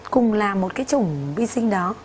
cùng làm một cái chủng vi sinh đó